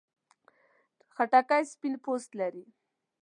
خټکی سپین پوست لري.